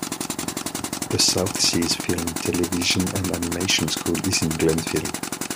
The South Seas Film, Television, and Animation school is in Glenfield.